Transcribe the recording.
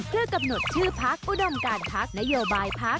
เพื่อกำหนดชื่อพักอุดมการพักนโยบายพัก